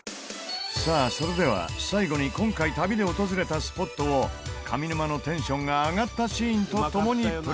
さあそれでは最後に今回旅で訪れたスポットを上沼のテンションが上がったシーンとともにプレイバック。